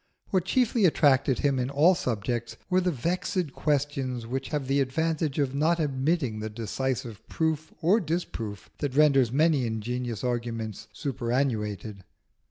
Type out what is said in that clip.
What chiefly attracted him in all subjects were the vexed questions which have the advantage of not admitting the decisive proof or disproof that renders many ingenious arguments superannuated.